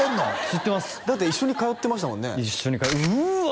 知ってますだって一緒に通ってましたもんねうわ